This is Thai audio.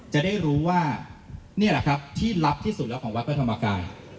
จะได้รู้ว่านี่แหละครับที่ลับที่สุดแล้วของวัดพระธรรมกาย